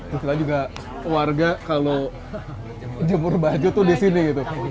setelah juga warga kalau jemur baju tuh disini gitu